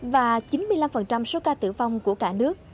và chín mươi năm số ca tử vong của cả nước